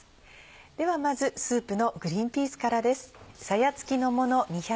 ではまずスープのグリンピースからです。